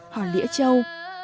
hò lĩa trâu